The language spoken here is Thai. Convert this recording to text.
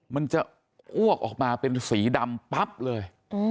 มันจะอ้วกออกมาเป็นสีดำปั๊บเลย